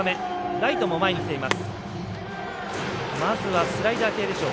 ライトも前に来ています。